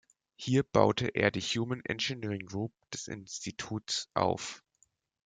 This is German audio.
Hier baute er die "Human Engineering Group" des Instituts auf.